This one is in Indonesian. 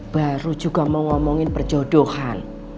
baru juga mau ngomongin perjodohan